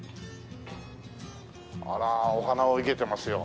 あらお花を生けてますよ。